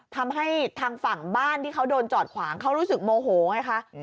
ทำให้ทางฝั่งบ้านที่เขาโดนจอดขวางเขารู้สึกโมโหไงคะ